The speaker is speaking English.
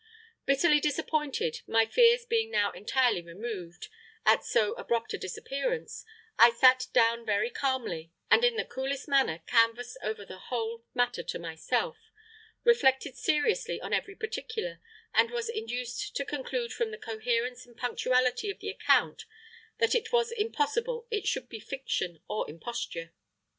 Bitterly disappointed, my fears being now entirely removed, at so abrupt a disappearance, I sat down very calmly, and in the coolest manner canvassed over the whole matter to myself, reflected seriously on every particular, and was induced to conclude from the coherence and punctuality of the account that it was impossible it should be fiction or imposture.